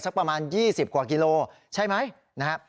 สักประมาณยี่สิบกว่ากิโลชัยไหมนะฮะ